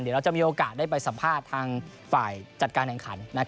เดี๋ยวเราจะมีโอกาสได้ไปสัมภาษณ์ทางฝ่ายจัดการแข่งขัน